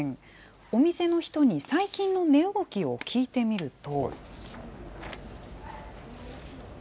お店の人に最近の値動きを聞いてみると。